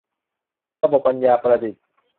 ระบบปัญญาประดิษฐ์